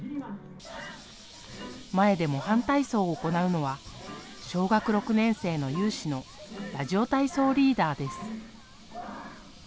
前で模範体操を行うのは小学６年生の有志のラジオ体操リーダーです。